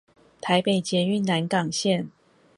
台北捷運南港線